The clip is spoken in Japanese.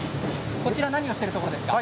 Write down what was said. こちらは何をしているところですか？